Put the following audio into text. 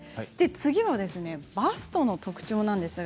次はバストの特徴です。